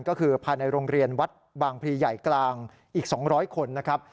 ก็คือภายในโรงเรียนวัดบางพลีใหญ่กลางอีก๒๐๐คนนะครับ